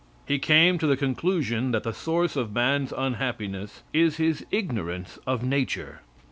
He came to the conclusion that the source of man's unhappiness is his ignorance of nature.